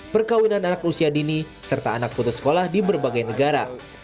perkawinan anak usia dini serta anak putus sekolah di berbagai negara